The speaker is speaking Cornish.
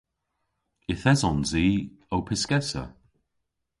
Yth esons i ow pyskessa.